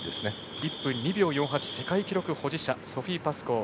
１分２秒４８という世界記録保持者のソフィー・パスコー。